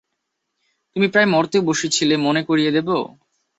তুমি প্রায় মরতে বসেছিলে মনে করিয়ে দেব?